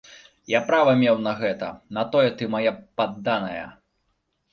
Я права меў на гэта, на тое ты мая падданая!